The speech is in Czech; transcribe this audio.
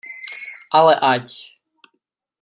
Ale ať!